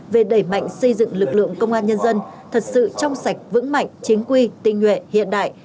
về đẩy mạnh xây dựng lực lượng công an nhân dân thật sự trong sạch vững mạnh chính quy tinh nguyện hiện đại